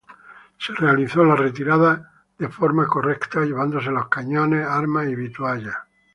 Se realizó la retirada de forma correcta llevándose los cañones, armas y vituallas.